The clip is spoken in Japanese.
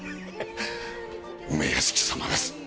梅屋敷様です